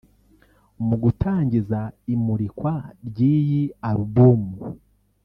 Mu gutangiza imurikwa ry’iyi album